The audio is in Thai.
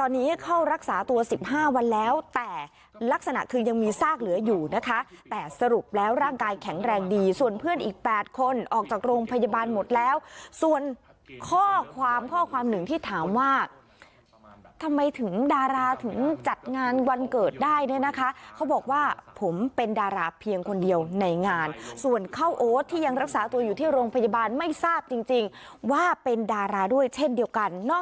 ตอนนี้เข้ารักษาตัว๑๕วันแล้วแต่ลักษณะคือยังมีซากเหลืออยู่นะคะแต่สรุปแล้วร่างกายแข็งแรงดีส่วนเพื่อนอีก๘คนออกจากโรงพยาบาลหมดแล้วส่วนข้อความข้อความหนึ่งที่ถามว่าทำไมถึงดาราถึงจัดงานวันเกิดได้เนี่ยนะคะเขาบอกว่าผมเป็นดาราเพียงคนเดียวในงานส่วนเข้าโอ๊ตที่ยังรักษาตัวอยู่ที่โรงพยาบาลไม่ทราบจริงว่าเป็นดาราด้วยเช่นเดียวกันนอก